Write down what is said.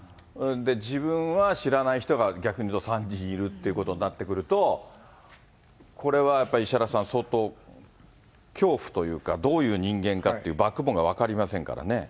自分は知らない人が、逆にいうと３人いるってことになってくると、これはやっぱり石原さん、相当、恐怖というか、どういう人間かって、バックボーンが分かりませんからね。